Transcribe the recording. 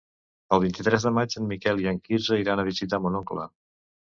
El vint-i-tres de maig en Miquel i en Quirze iran a visitar mon oncle.